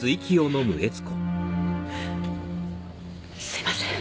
すいません。